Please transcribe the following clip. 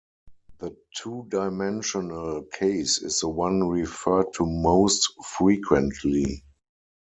The two-dimensional case is the one referred to most frequently.